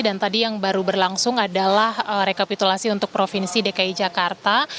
dan tadi yang baru berlangsung adalah rekapitulasi untuk provinsi dki jakarta